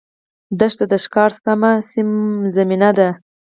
دښته د ښکار سمه زمینه ده.